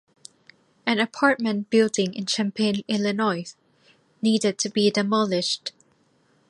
An apartment building in Champaign, Illinois needed to be demolished.